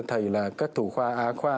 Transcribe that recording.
thầy là các thủ khoa á khoa